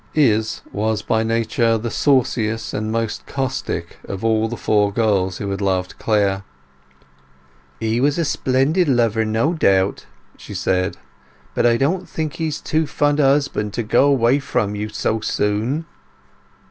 Izz was by nature the sauciest and most caustic of all the four girls who had loved Clare. "He was a very splendid lover, no doubt," she said; "but I don't think he is a too fond husband to go away from you so soon."